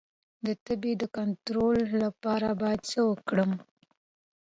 د تبې د کنټرول لپاره باید څه وکړم؟